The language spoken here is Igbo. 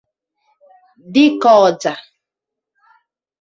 dịka ọja